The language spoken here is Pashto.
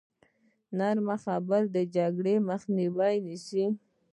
نرمه خبره د جګړې مخه نیسي.